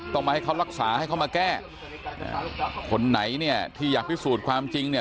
ต้องมาให้เขารักษาให้เขามาแก้คนไหนเนี่ยที่อยากพิสูจน์ความจริงเนี่ย